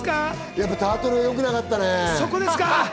やっぱりタートルがよくなかったね。